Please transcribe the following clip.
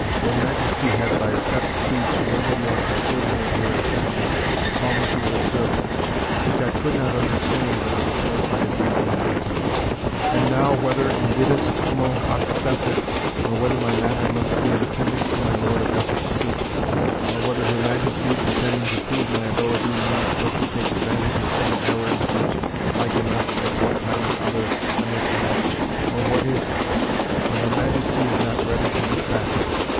Her Majesty had by set speech more than once assured me of her intention to call me to her service, which I could not understand but of the place I had been named to. And now whether invidus homo hoc fecit; or whether my matter must be an appendix to my Lord of Essex suit; or whether her Majesty, pretending to prove my ability, meaneth but to take advantage of some errors which, like enough, at one time or other I may commit; or what is it? but her Majesty is not ready to despatch it.